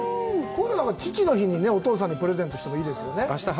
父の日に、お父さんにプレゼントしてもいいですよね。